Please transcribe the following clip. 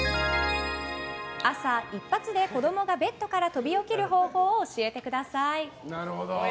朝、一発で子供がベッドから飛び起きる方法を教えてください。